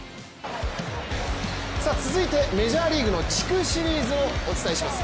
続いてメジャーリーグの地区シリーズをお伝えします。